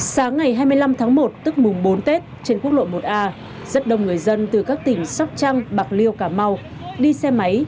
sáng ngày hai mươi năm tháng một tức mùng bốn tết trên quốc lộ một a rất đông người dân từ các tỉnh sóc trăng bạc liêu cà mau đi xe máy